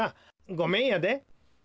ごめんやで。